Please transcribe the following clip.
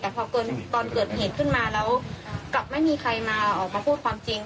แต่พอเกินตอนเกิดเหตุขึ้นมาแล้วกลับไม่มีใครมาออกมาพูดความจริง